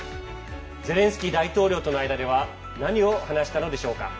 ゼレンスキー大統領との間では何を話したのでしょうか。